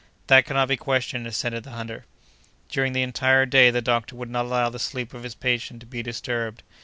"That cannot be questioned," assented the hunter. During the entire day the doctor would not allow the sleep of his patient to be disturbed.